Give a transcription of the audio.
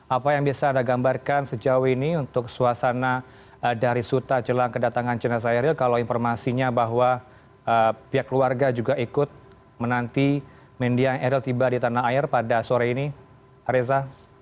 apa yang bisa anda gambarkan sejauh ini untuk suasana dari suta jelang kedatangan jenazah eril kalau informasinya bahwa pihak keluarga juga ikut menanti mendiang eril tiba di tanah air pada sore ini reza